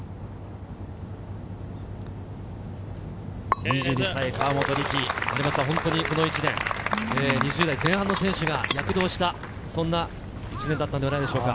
２２歳・河本力、この１年、２０代前半の選手が躍動した、そんな１年だったのではないでしょうか。